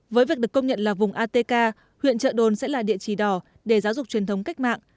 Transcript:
với việc được công nhận là vùng atk huyện trợ đồn sẽ là địa chỉ đỏ để giáo dục truyền thống cách mạng